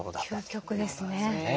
究極ですね。